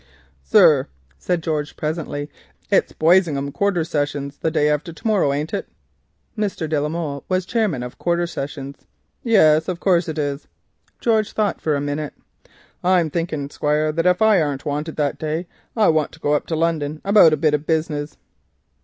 "Sir," said George presently, "it's Boisingham Quarter Sessions the day after to morrow, ain't it?" (Mr. de la Molle was chairman of Quarter Sessions.) "Yes, of course, it is." George thought for a minute. "I'm a thinking, Squire, that if I arn't wanting that day I want to go up to Lunnon about a bit of business."